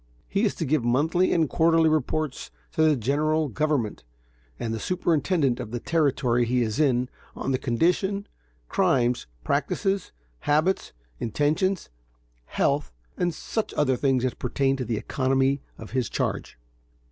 He has to give monthly and quarterly reports to the General Government and the superintendent of the Territory he is in, of the condition, crimes, practices, habits, intentions, health, and such other things as pertain to the economy of his charge.